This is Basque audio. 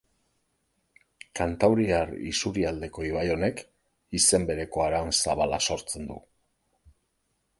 Kantauriar isurialdeko ibai honek izen bereko haran zabala sortzen du.